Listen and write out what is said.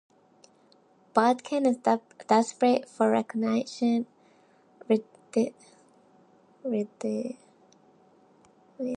Botkin is desperate for recognition, ridiculed by most of the staff.